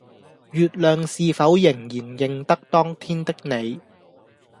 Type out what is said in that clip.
月亮是否仍然認得當天的你